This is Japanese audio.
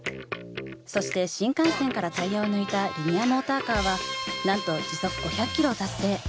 そして新幹線からタイヤを抜いたリニアモーターカーはなんと時速５００ｋｍを達成。